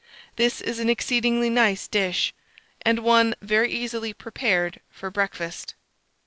This is an exceedingly nice dish, and one very easily prepared for breakfast.